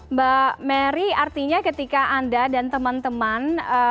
mbak mary artinya ketika anda dan teman teman